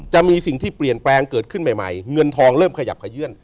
จะมีสิ่งที่เปลี่ยนแปลงเกิดขึ้นใหม่เงินทองเริ่มขยับขยื่น